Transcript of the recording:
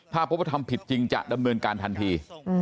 ถ้าพบว่าทำผิดจริงจะดำเนินการทันที